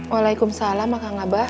waalaikumsalam maka ngabah